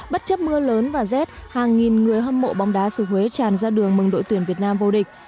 bất chấp mưa lớn và rét hàng nghìn người hâm mộ bóng đá xứ huế tràn ra đường mừng đội tuyển việt nam vô địch